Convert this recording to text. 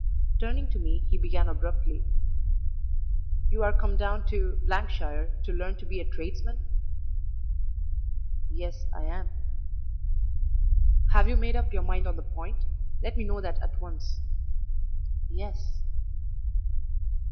Turning to me he began abruptly: "You are come down to shire to learn to be a tradesman?" "Yes, I am." "Have you made up your mind on the point? Let me know that at once." "Yes."